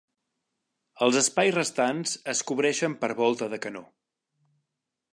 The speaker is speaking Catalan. Els espais restants es cobreixen per volta de canó.